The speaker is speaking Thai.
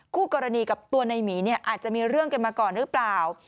คู่กรณีกับตัวในหมีเนี่ยอาจจะมีเรื่องกันมาก่อนหรือเปล่า